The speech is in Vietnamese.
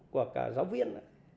của cả giáo viên